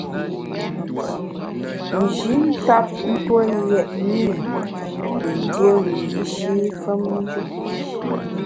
Nji tap tue yètne i yin dié wiyi’shi femnjù.